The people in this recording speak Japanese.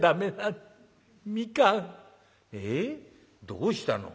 どうしたの？